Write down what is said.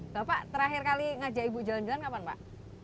bapak terakhir kali ngajak ibu jalan jalan kapan pak